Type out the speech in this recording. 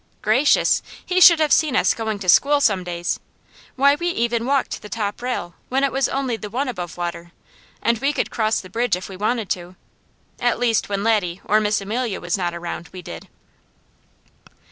Gracious! He should have seen us going to school some days. Why, we even walked the top rail when it was the only one above water, and we could cross the bridge if we wanted to. At least when Laddie or Miss Amelia was not around, we did.